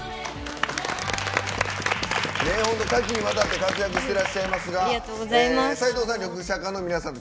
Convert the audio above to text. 多岐にわたって活躍してらっしゃいますが齊藤さん